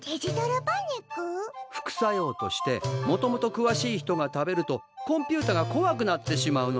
副作用としてもともとくわしい人が食べるとコンピューターがこわくなってしまうのにゃ。